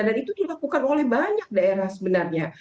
dan itu dilakukan oleh banyak daerah sebenarnya